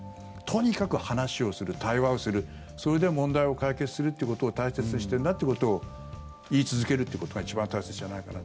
とにかく話をする、対話をするそれで問題を解決するっていうことを大切にしているんだということを言い続けるということが一番大切じゃないかな。